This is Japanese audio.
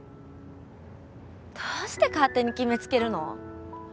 どうして勝手に決め付けるの？